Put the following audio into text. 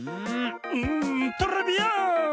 んトレビアーン！